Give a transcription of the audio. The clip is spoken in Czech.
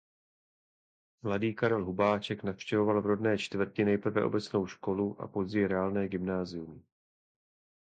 Mladý Karel Hubáček navštěvoval v rodné čtvrti nejprve obecnou školu a později reálné gymnázium.